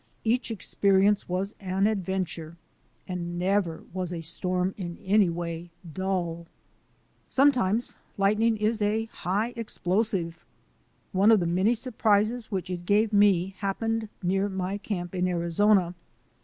Each experience was an adventure, and never was a storm in any way dull. Sometimes lightning is a high explosive. One of the many surprises which it gave me hap pened near my camp in Arizona.